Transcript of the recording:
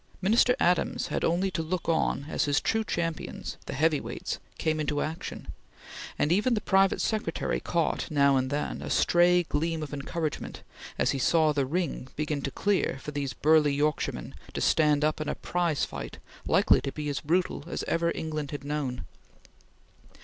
Minister Adams had only to look on as his true champions, the heavy weights, came into action, and even the private secretary caught now and then a stray gleam of encouragement as he saw the ring begin to clear for these burly Yorkshiremen to stand up in a prize fight likely to be as brutal as ever England had known.